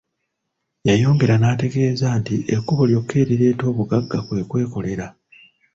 Yayongera n'antegeeza nti ekkubo lyokka erireeta obugagga kwe kwekolera.